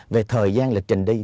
về thời gian lịch trình đi